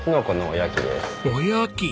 おやき！